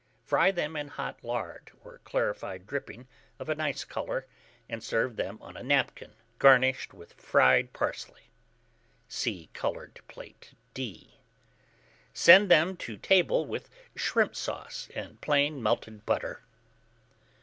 Fry them in hot lard or clarified dripping of a nice colour, and serve them on a napkin, garnished with fried parsley. (See Coloured Plate D.) Send them to table with shrimp sauce and plain melted butter.